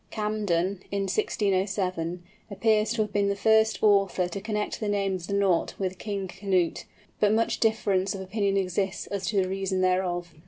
Camden, in 1607, appears to have been the first author to connect the name of the Knot with King Canute, but much difference of opinion exists as to the reason thereof.